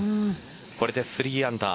これで３アンダー。